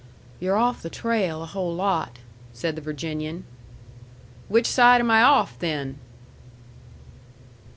"You're off the trail a whole lot," said the Virginian. "Which side am I off, then?"